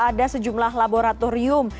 ada sejumlah laboratorium